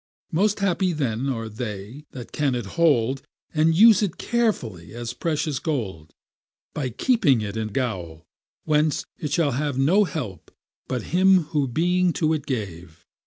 Most happy then are they, that can it hold, And use it carefully as precious gold, By keeping it in gaol, whence it shall have No help but him who being to it gave.